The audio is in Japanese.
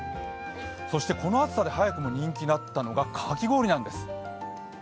そしてこの暑さで早くも人気だったのがかき氷なんです。